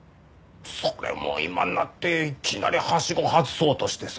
それを今になっていきなりはしご外そうとしてさ。